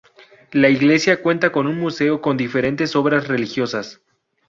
La iglesia cuenta con un museo con diferentes obras religiosas.